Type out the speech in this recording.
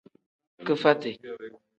Kifati.